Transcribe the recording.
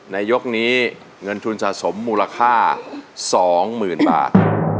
ในยกนี้เงินทุนสะสมมูลค่า๒หมื่นบาท